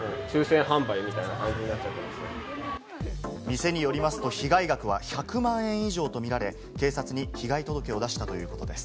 店によりますと、被害額は１００万円以上とみられ、警察に被害届を出したということです。